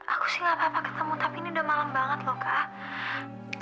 aku sih gak apa apa ketemu tapi ini udah malem banget loh kak